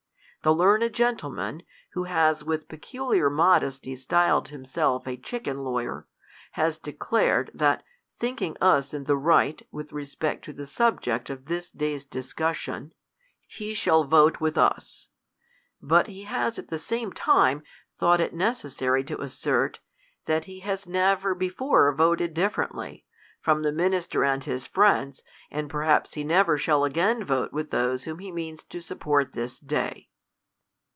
The learned gentleman^ who has with pe culiar THE COLUMBIAxN ORATOR. 131 •culiar modesty styled himself a chicken lawyer.hdis de clared, that, thinking us in the right with respect to the subject of this day's discussion, he shall vote with us ; but he has at the same time thought it necessary to assert, that he has never before voted differently from the minister and his friends, and perhaps he never shall again vote with those whom he means to support this day.